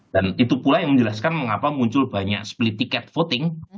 dan itu pula yang menjelaskan mengapa muncul banyak split ticket voting